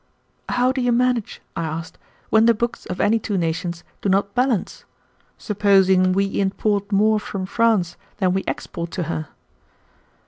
"How do you manage," I asked, "when the books of any two nations do not balance? Supposing we import more from France than we export to her."